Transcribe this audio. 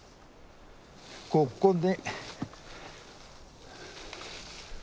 ここで。